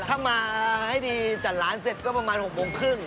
ถ้ามาให้ดีจัดร้านเสร็จก็ประมาณ๖โมงครึ่ง